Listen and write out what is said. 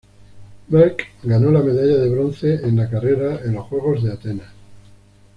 Merckx ganó la medalla de bronce en la carrera en los Juegos de Atenas.